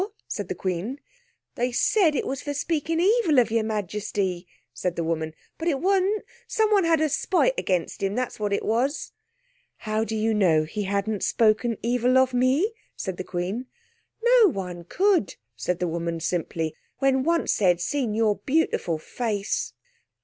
said the Queen. "They said it was for speaking evil of your Majesty," said the woman, "but it wasn't. Someone had a spite against him. That was what it was." "How do you know he hadn't spoken evil of me?" said the Queen. "No one could," said the woman simply, "when they'd once seen your beautiful face."